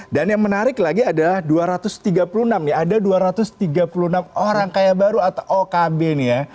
dan yang menarik lagi adalah dua ratus tiga puluh enam ada dua ratus tiga puluh enam orang kaya baru atau okb nih ya